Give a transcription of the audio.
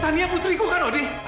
tania putriku kan odi